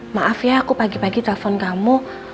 maaf ya aku pagi pagi telepon kamu